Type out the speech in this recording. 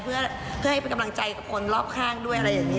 เพื่อให้เป็นกำลังใจกับคนรอบข้างด้วยอะไรอย่างนี้